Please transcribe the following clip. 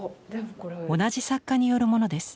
同じ作家によるものです。